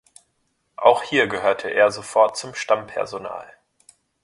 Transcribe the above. Auch hier gehörte er sofort zum Stammpersonal.